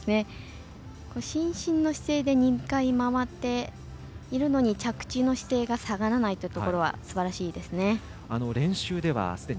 伸身の姿勢で２回回っているのに着地の姿勢が下がらないというところはすばらしいですね。